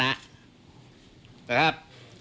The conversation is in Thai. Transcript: นะครับ